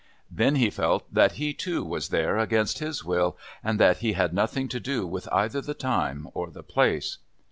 Then he felt that he, too, was there against his will, and that he had nothing to do with either the time or the place.